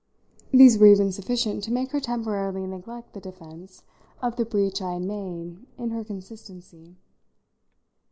These were even sufficient to make her temporarily neglect the defence of the breach I had made in her consistency.